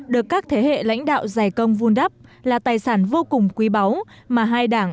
được các thế hệ lãnh đạo giải công vun đắp là tài sản vô cùng quý báu mà hai đảng